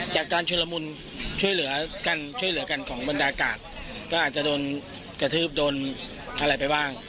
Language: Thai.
จากการชุลมุนช่วยเหลือกันช่วยเหลือกันของบรรดากาศก็อาจจะโดนกระทืบโดนอะไรไปบ้าง